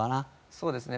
そうですね。